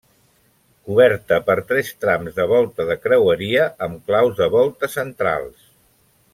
Coberta per tres trams de volta de creueria amb claus de volta centrals.